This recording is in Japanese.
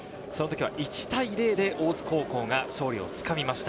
１対０で大津高校が勝利をつかみました。